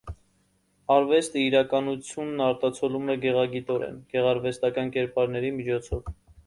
Արվեստը իրականությունն արտացոլում է գեղագիտորեն, գեղարվեստական կերպարների միջոցով։